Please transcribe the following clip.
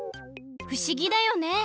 ふしぎだよね！